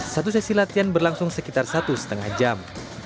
satu sesi latihan berlangsung sekitar satu lima jam